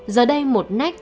giờ đây một nách